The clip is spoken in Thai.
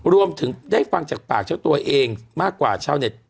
รวมถึงได้ฟังจากปากเจ้าตัวเองมากกว่าชาวเน็ต